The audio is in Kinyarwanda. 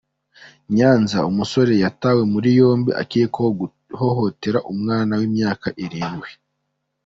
Nyanza umusore Yatawe muri yombi akekwaho guhohotera umwana w’imyaka irindwi